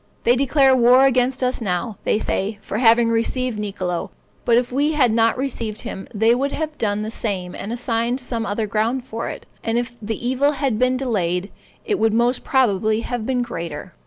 They declare war against us now, they say, for having received Niccolo; but if we had not received him, they would have done the same and assigned some other ground for it; and if the evil had been delayed, it would most probably have been greater.